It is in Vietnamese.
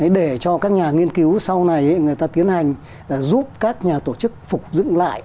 để cho các nhà nghiên cứu sau này người ta tiến hành giúp các nhà tổ chức phục dựng lại